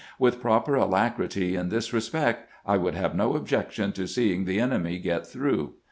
With proper alacrity in this respect, I would have no objection to seeing the enemy get through."